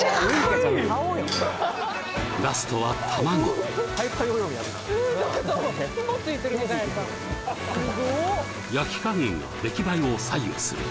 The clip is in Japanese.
ラストは卵焼き加減が出来栄えを左右する